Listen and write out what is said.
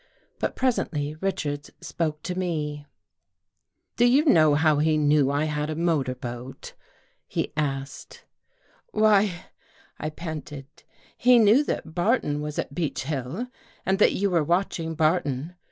But presently Richards spoke to me. " Do you know how he knew I had a motor boat? " he asked. " Why," I panted, " he knew that Barton was at Beech Hill and that you were watching Barton.